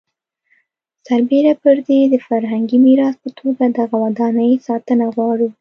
سربېره پر دې د فرهنګي میراث په توګه دغه ودانۍ ساتنه وغواړو.